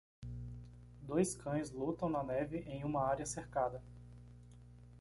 Dois cães lutam na neve em uma área cercada.